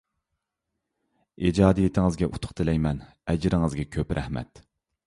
ئىجادىيىتىڭىزگە ئۇتۇق تىلەيمەن، ئەجرىڭىزگە كۆپ رەھمەت!